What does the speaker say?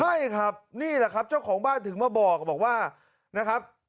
ไม่ครับนี่แหละครับเจ้าของบ้านถึงมาบอกว่านะครับ